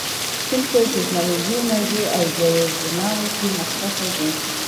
چین په ټیکنالوژۍ، انرژۍ او زیربناوو کې مخکښ دی.